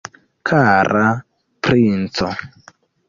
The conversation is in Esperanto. Kara princo!